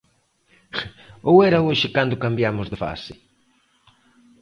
Ou era hoxe cando cambiamos de fase?